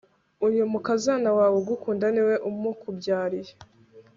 uyu mukazana wawe ugukunda ni we umukubyariye